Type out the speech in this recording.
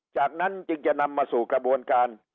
จากนั้นจึงจะนำมาสู่กระบวนการ